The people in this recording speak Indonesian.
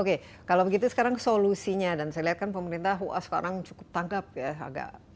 oke kalau begitu sekarang solusinya dan saya lihat kan pemerintah wah sekarang cukup tangkap ya